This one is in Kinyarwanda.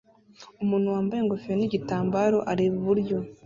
Umuntu wambaye ingofero nigitambara areba iburyo